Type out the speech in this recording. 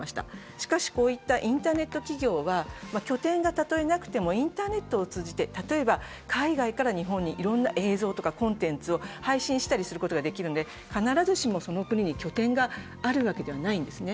しかしこういったインターネット企業は拠点がたとえなくてもインターネットを通じて、海外から日本にいろんな映像とかコンテンツを配信したりすることができるので、必ずしもその国に拠点があるわけではないんですね。